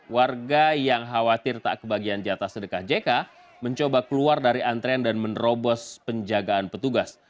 warga yang khawatir tak kebagian jatah sedekah jk mencoba keluar dari antrean dan menerobos penjagaan petugas